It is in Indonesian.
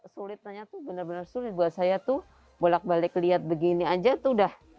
sulit nanya tuh bener bener sulit buat saya tuh bolak balik lihat begini aja tuh udah